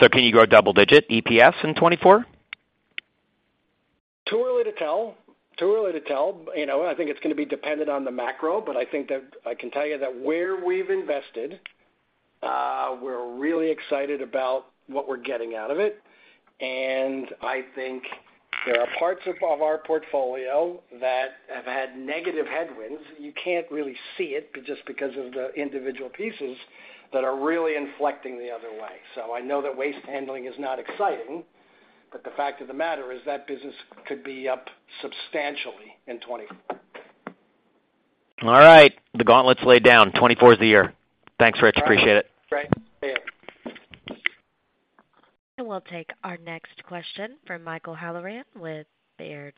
[SPEAKER 9] Can you grow double-digit EPS in 2024?
[SPEAKER 3] Too early to tell. Too early to tell. You know, I think it's gonna be dependent on the macro, but I think that I can tell you that where we've invested, we're really excited about what we're getting out of it, and I think there are parts of our portfolio that have had negative headwinds. You can't really see it, but just because of the individual pieces that are really inflecting the other way. I know that waste handling is not exciting, but the fact of the matter is that business could be up substantially in 2024.
[SPEAKER 9] All right, the gauntlet's laid down. 2024 is the year. Thanks, Rich. Appreciate it.
[SPEAKER 3] Great. See you.
[SPEAKER 1] We'll take our next question from Michael Halloran with Baird.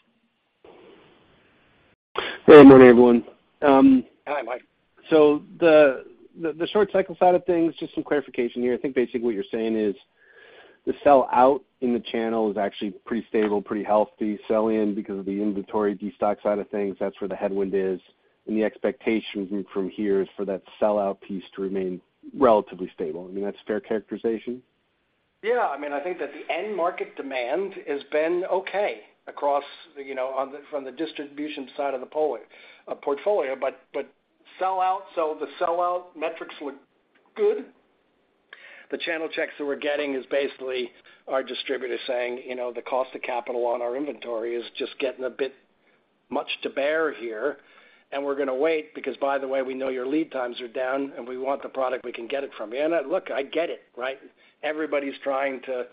[SPEAKER 10] Good morning, everyone.
[SPEAKER 3] Hi, Mike.
[SPEAKER 10] The short cycle side of things, just some clarification here. I think basically what you're saying is, the sell out in the channel is actually pretty stable, pretty healthy. Sell in because of the inventory destock side of things, that's where the headwind is, and the expectation from here is for that sell out piece to remain relatively stable. I mean, that's fair characterization?
[SPEAKER 3] I mean, I think that the end market demand has been okay across, you know, from the distribution side of the portfolio, but sell out. The sell out metrics look good. The channel checks that we're getting is basically our distributors saying, "You know, the cost of capital on our inventory is just getting a bit much to bear here, and we're gonna wait, because, by the way, we know your lead times are down, and we want the product we can get it from you." Look, I get it, right? Everybody's trying to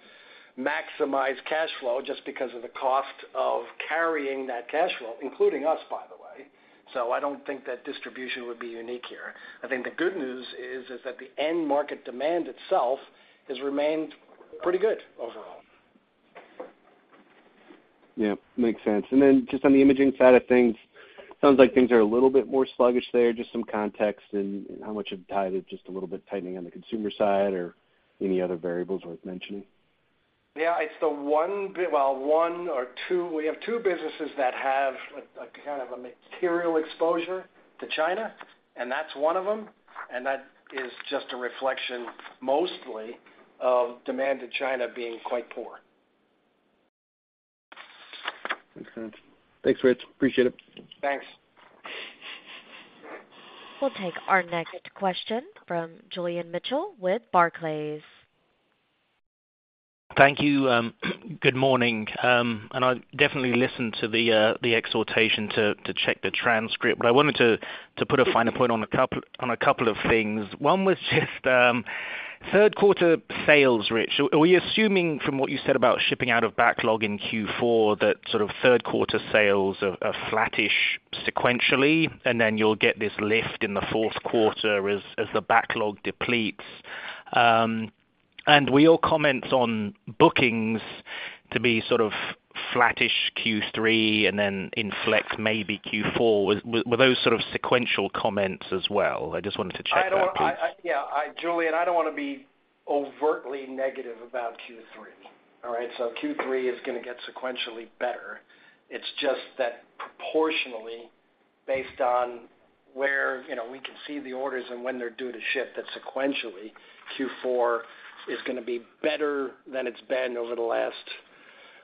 [SPEAKER 3] maximize cash flow just because of the cost of carrying that cash flow, including us, by the way. I don't think that distribution would be unique here. I think the good news is that the end market demand itself has remained pretty good overall.
[SPEAKER 10] Yeah, makes sense. Then just on the imaging side of things, sounds like things are a little bit more sluggish there. Just some context and how much of tied is just a little bit tightening on the consumer side or any other variables worth mentioning?
[SPEAKER 3] Yeah, it's the one, well, one or two. We have two businesses that have a kind of a material exposure to China, and that's one of them, and that is just a reflection, mostly, of demand to China being quite poor.
[SPEAKER 10] Makes sense. Thanks, Rich. Appreciate it.
[SPEAKER 3] Thanks.
[SPEAKER 1] We'll take our next question from Julian Mitchell with Barclays.
[SPEAKER 11] Thank you, good morning. I'll definitely listen to the exhortation to check the transcript. I wanted to put a finer point on a couple of things. One was just, third quarter sales, Rich. Are we assuming from what you said about shipping out of backlog in Q4, that sort of third quarter sales are flattish sequentially, and then you'll get this lift in the fourth quarter as the backlog depletes? Will your comments on bookings to be sort of flattish Q3 and then inflect maybe Q4, were those sort of sequential comments as well? I just wanted to check that, please.
[SPEAKER 3] I, Julian, I don't wanna be overtly negative about Q3, all right? Q3 is gonna get sequentially better. It's just that proportionally, based on where, you know, we can see the orders and when they're due to ship, that sequentially, Q4 is gonna be better than it's been over the last,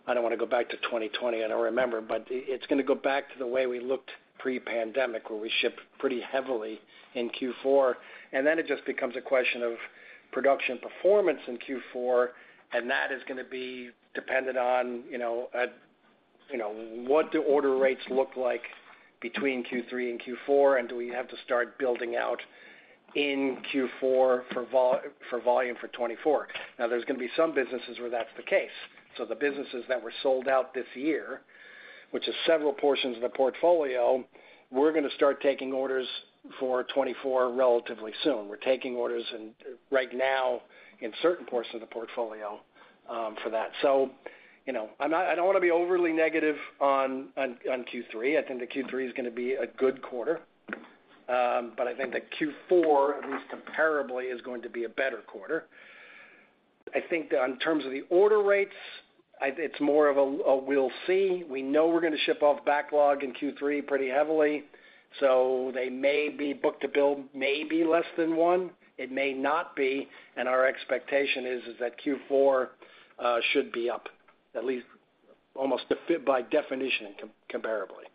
[SPEAKER 3] I don't wanna go back to 2020, I don't remember, but it's gonna go back to the way we looked pre-pandemic, where we shipped pretty heavily in Q4. It just becomes a question of production performance in Q4, and that is gonna be dependent on, you know, you know, what do order rates look like between Q3 and Q4, and do we have to start building out in Q4 for volume for 2024? There's gonna be some businesses where that's the case. The businesses that were sold out this year, which is several portions of the portfolio, we're gonna start taking orders for 2024 relatively soon. We're taking orders in, right now, in certain parts of the portfolio, for that. You know, I don't wanna be overly negative on Q3. I think the Q3 is gonna be a good quarter. I think that Q4, at least comparably, is going to be a better quarter. I think that in terms of the order rates, it's more of a we'll see. We know we're gonna ship off backlog in Q3 pretty heavily, so they may be book-to-bill, may be less than 1. It may not be, and our expectation is that Q4 should be up at least almost by definition, comparably.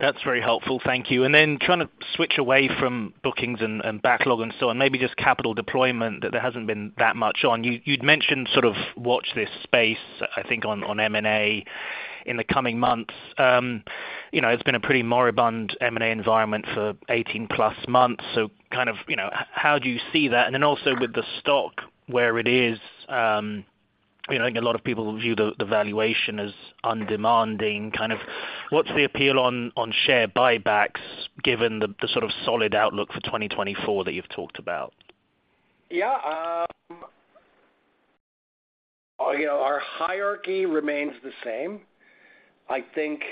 [SPEAKER 11] That's very helpful. Thank you. Trying to switch away from bookings and backlog and so on, maybe just capital deployment, that there hasn't been that much on. You'd mentioned sort of watch this space, I think on M&A in the coming months. You know, it's been a pretty moribund M&A environment for 18 plus months, so kind of, you know, how do you see that? Also with the stock, where it is. You know, I think a lot of people view the valuation as undemanding, kind of. What's the appeal on share buybacks, given the sort of solid outlook for 2024 that you've talked about?
[SPEAKER 3] Yeah. you know, our hierarchy remains the same. I think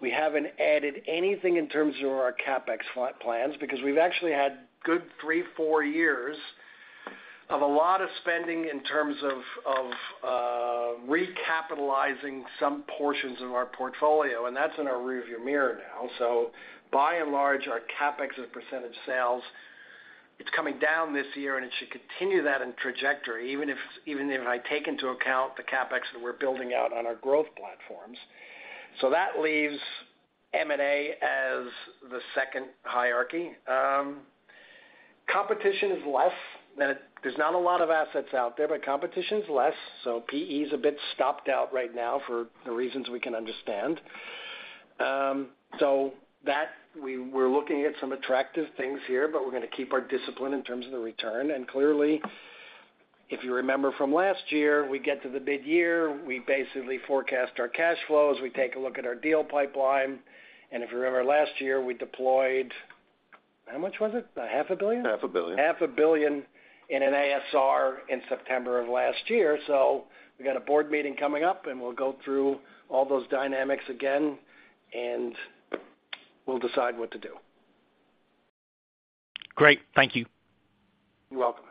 [SPEAKER 3] we haven't added anything in terms of our CapEx plans, because we've actually had good three, four years of a lot of spending in terms of recapitalizing some portions of our portfolio, and that's in our rearview mirror now. By and large, our CapEx as a percentage sales, it's coming down this year, and it should continue that in trajectory, even if I take into account the CapEx that we're building out on our growth platforms. That leaves M&A as the second hierarchy. Competition is less. There's not a lot of assets out there, but competition's less, so PE is a bit stopped out right now for the reasons we can understand. We're looking at some attractive things here, but we're gonna keep our discipline in terms of the return. Clearly, if you remember from last year, we get to the midyear, we basically forecast our cash flows, we take a look at our deal pipeline, and if you remember last year, we deployed. How much was it? A half a billion?
[SPEAKER 4] Half a billion.
[SPEAKER 3] Half a billion in an ASR in September of last year. We've got a board meeting coming up, and we'll go through all those dynamics again, and we'll decide what to do.
[SPEAKER 11] Great. Thank you.
[SPEAKER 3] You're welcome.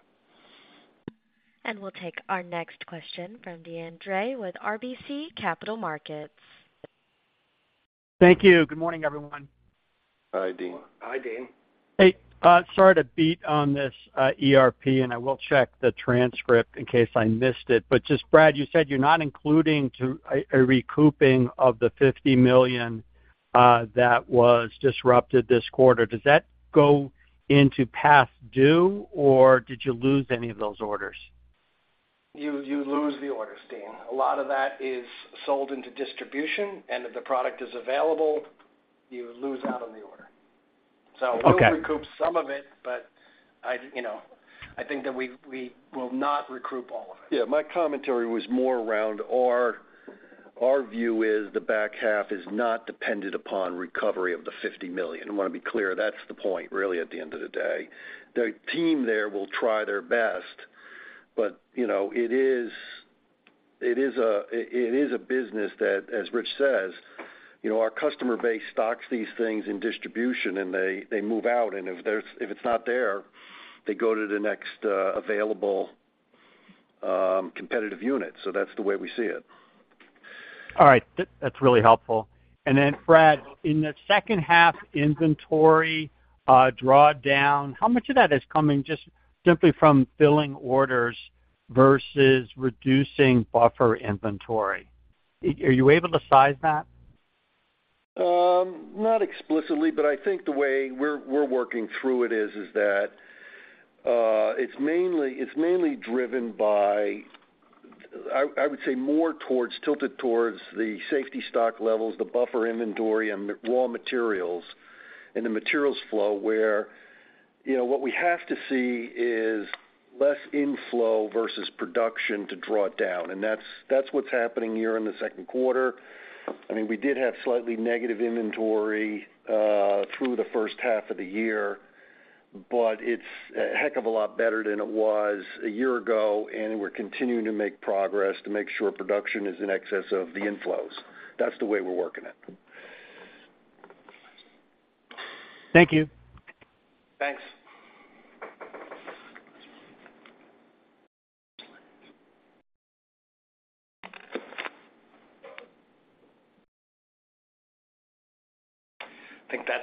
[SPEAKER 1] We'll take our next question from Deane Dray with RBC Capital Markets.
[SPEAKER 12] Thank you. Good morning, everyone.
[SPEAKER 4] Hi, Deane.
[SPEAKER 3] Hi, Deane.
[SPEAKER 12] Sorry to beat on this ERP, I will check the transcript in case I missed it. Brad, you said you're not including a recouping of the $50 million that was disrupted this quarter. Does that go into past due, or did you lose any of those orders?
[SPEAKER 3] You lose the orders, Deane. A lot of that is sold into distribution, and if the product is available, you lose out on the order.
[SPEAKER 12] Okay.
[SPEAKER 3] We'll recoup some of it, but I, you know, I think that we will not recoup all of it.
[SPEAKER 4] Yeah, my commentary was more around our view is the back half is not dependent upon recovery of the $50 million. I want to be clear, that's the point, really, at the end of the day. The team there will try their best, but, you know, it is a business that, as Rich says, you know, our customer base stocks these things in distribution, and they move out, and if it's not there, they go to the next available competitive unit. That's the way we see it.
[SPEAKER 12] All right. That's really helpful. Then, Brad, in the second half inventory drawdown, how much of that is coming just simply from filling orders versus reducing buffer inventory? Are you able to size that?
[SPEAKER 4] Not explicitly, but I think the way we're working through it is that it's mainly driven by, I would say, tilted towards the safety stock levels, the buffer inventory and raw materials, and the materials flow, where, you know, what we have to see is less inflow versus production to draw it down. That's what's happening here in the second quarter. I mean, we did have slightly negative inventory through the first half of the year, but it's a heck of a lot better than it was a year ago, and we're continuing to make progress to make sure production is in excess of the inflows. That's the way we're working it.
[SPEAKER 12] Thank you.
[SPEAKER 4] Thanks.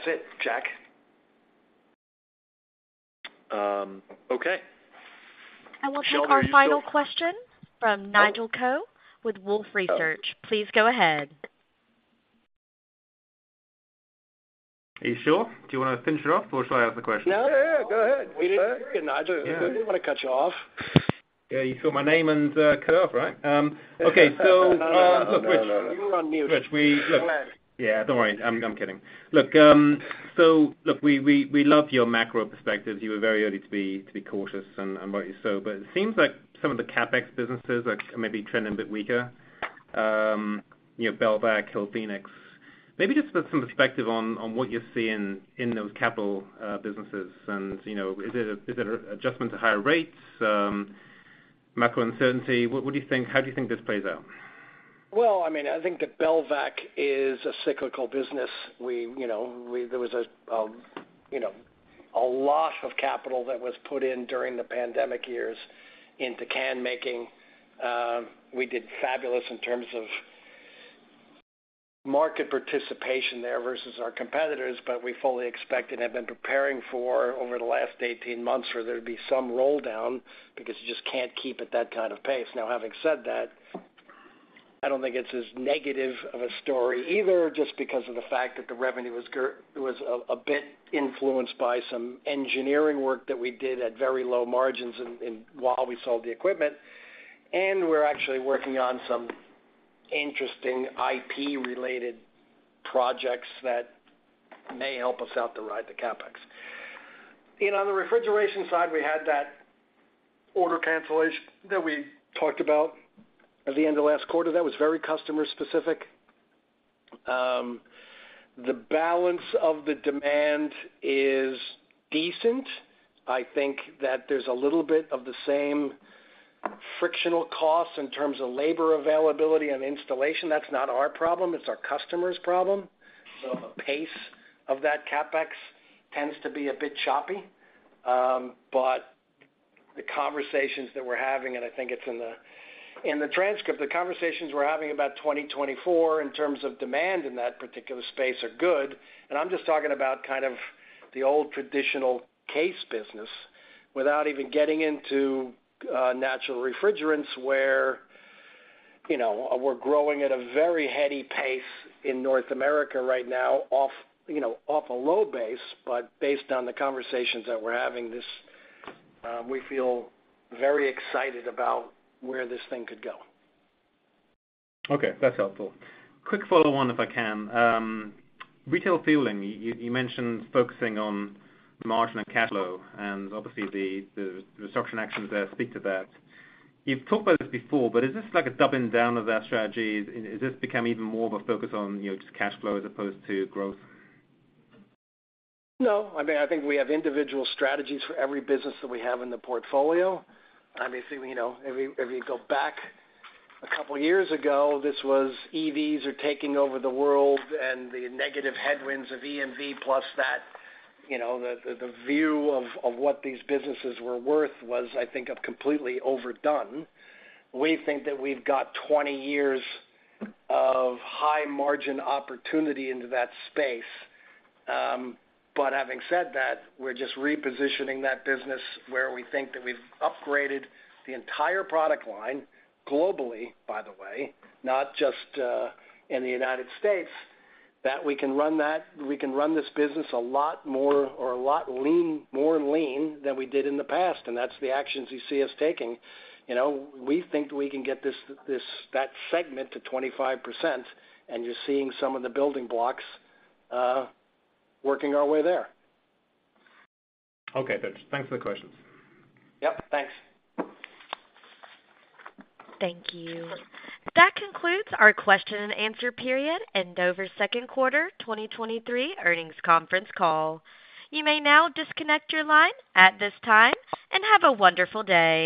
[SPEAKER 3] I think that's it, Jack.
[SPEAKER 4] Okay.
[SPEAKER 1] We'll take our final question from Nigel Coe with Wolfe Research. Please go ahead.
[SPEAKER 13] Are you sure? Do you want to finish it off, or should I ask the question?
[SPEAKER 4] No, yeah, go ahead.
[SPEAKER 3] We didn't hear you, Nigel. We didn't want to cut you off.
[SPEAKER 13] Yeah, you saw my name and, cut off, right? Okay. look,
[SPEAKER 3] You were on mute.
[SPEAKER 4] Rich,
[SPEAKER 3] Go ahead.
[SPEAKER 13] Yeah, don't worry. I'm kidding. Look, so look, we love your macro perspective. You were very early to be cautious and worry. It seems like some of the CapEx businesses are maybe trending a bit weaker, you know, Belvac, Hillphoenix. Maybe just put some perspective on what you're seeing in those capital businesses. You know, is it an adjustment to higher rates, macro uncertainty? What do you think? How do you think this plays out?
[SPEAKER 3] Well, I mean, I think that Belvac is a cyclical business. We, you know, there was a, you know, a lot of capital that was put in during the pandemic years into can making. We did fabulous in terms of market participation there versus our competitors, but we fully expect and have been preparing for over the last 18 months, for there'd be some roll down because you just can't keep at that kind of pace. Now, having said that, I don't think it's as negative of a story either, just because of the fact that the revenue was a bit influenced by some engineering work that we did at very low margins and, while we sold the equipment. We're actually working on some interesting IP-related projects that may help us out to ride the CapEx. You know, on the refrigeration side, we had that order cancellation that we talked about at the end of last quarter. That was very customer specific. The balance of the demand is decent. I think that there's a little bit of the same frictional costs in terms of labor availability and installation. That's not our problem, it's our customer's problem. The pace of that CapEx tends to be a bit choppy. The conversations that we're having, and I think it's in the, in the transcript, the conversations we're having about 2024 in terms of demand in that particular space are good. I'm just talking about kind of the old traditional case business without even getting into natural refrigerants, where, you know, we're growing at a very heady pace in North America right now, off, you know, off a low base. Based on the conversations that we're having, this, we feel very excited about where this thing could go.
[SPEAKER 13] Okay, that's helpful. Quick follow-on, if I can. retail fueling, you mentioned focusing on margin and cash flow, and obviously, the restructuring actions there speak to that. You've talked about this before, but is this like a doubling down of that strategy? Is this becoming even more of a focus on, you know, just cash flow as opposed to growth?
[SPEAKER 3] No. I mean, I think we have individual strategies for every business that we have in the portfolio. Obviously, you know, if you, if you go back a couple of years ago, this was EVs are taking over the world and the negative headwinds of EMV plus that, you know, the, the view of what these businesses were worth was, I think, completely overdone. We think that we've got 20 years of high margin opportunity into that space. Having said that, we're just repositioning that business where we think that we've upgraded the entire product line globally, by the way, not just in the United States, that we can run this business a lot more, or a lot lean, more lean than we did in the past, and that's the actions you see us taking. You know, we think we can get that segment to 25%, and you're seeing some of the building blocks, working our way there.
[SPEAKER 13] Okay, thanks for the questions.
[SPEAKER 3] Yep, thanks.
[SPEAKER 1] Thank you. That concludes our question and answer period and Dover's second quarter 2023 earnings conference call. You may now disconnect your line at this time, and have a wonderful day.